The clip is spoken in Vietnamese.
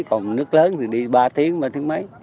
còn nước lớn thì đi ba tiếng ba tiếng mấy